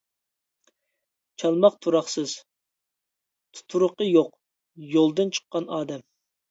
چالماق تۇراقسىز، تۇتۇرۇقى يوق، يولدىن چىققان ئادەم.